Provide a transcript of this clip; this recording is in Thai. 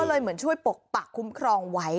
เลยเหมือนช่วยปกปักคุ้มครองไว้